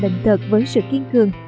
bệnh tật với sự kiên cường